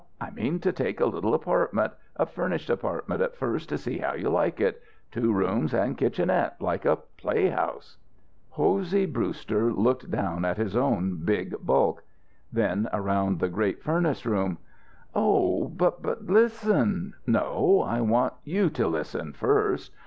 I mean to take a little apartment, a furnished apartment at first to see how you like it two rooms and kitchenette, like a play house." Hosey Brewster looked down at his own big bulk. Then around the great furnace room. "Oh, but listen " "No, I want you to listen first.